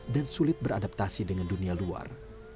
dan sulit beradaptasi dengan dunia luar